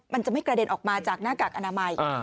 มันจะไม่กระเด็นออกมาจากหน้ากากอนามัย